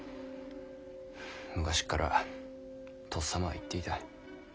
昔っからとっさまは言っていた。